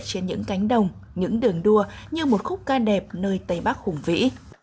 trên những cánh đồng những đường đua như một khúc ca đẹp nơi tây bắc khủng vĩ